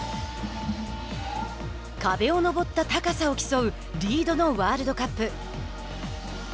壁を登った高さを競う「リード」のワールドカップ。